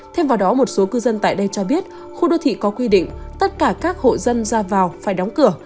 thêm vào đó một số cư dân tại đây cho biết khu đô thị có quy định tất cả các hộ dân ra vào phải đóng cửa